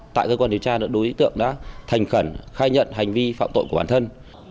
tại cơ quan điều tra đối tượng đã thành khẩn khai nhận hành vi phạm tội của bản thân